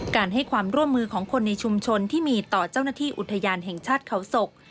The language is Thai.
การให้ความร่วมมือของคนในชุมชนที่มีต่อเจ้าหน้าที่อุทยานแห่งชาติเขาศก